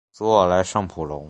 索尔莱尚普隆。